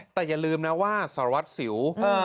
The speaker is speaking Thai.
แต่อย่าลืมนะว่าสารวัตรสิว